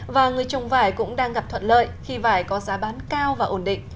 và người trồng vải cũng đang gặp thuận lợi khi vải có giá bán cao và ổn định